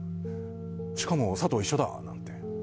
しかも佐藤、一緒だなんて。